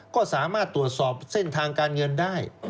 ก็สามารถตรวจสอบเส้นทางการเงินได้